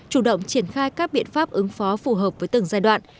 chủ động triển khai các biện pháp ứng phó phù hợp với từng giai đoạn